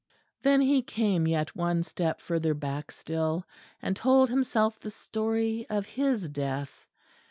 Then he came yet one step further back still, and told himself the story of his death.